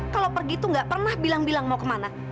kalau pergi itu nggak pernah bilang bilang mau kemana